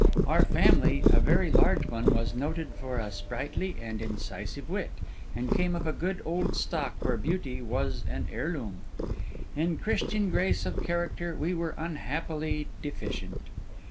Our family, a very large one, was noted for a sprightly and incisive wit, and came of a good old stock where beauty was an heirloom. In Christian grace of character we were unhappily deficient.